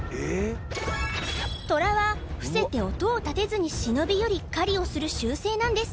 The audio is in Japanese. トラは伏せて音を立てずに忍び寄り狩りをする習性なんです